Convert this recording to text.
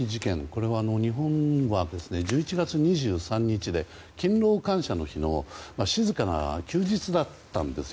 これは日本は１１月２３日で勤労感謝の日の静かな休日だったんです。